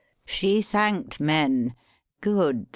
She thanked men, good!